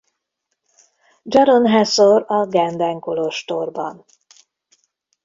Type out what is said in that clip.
Dzsaron-Hasor a Gandan-kolostorban.